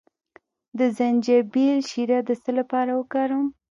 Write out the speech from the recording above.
د زنجبیل شیره د څه لپاره وکاروم؟